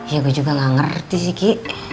ya gue juga gak ngerti sih ki